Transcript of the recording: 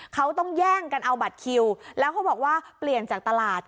เขาต้องแย่งกันเอาบัตรคิวแล้วเขาบอกว่าเปลี่ยนจากตลาด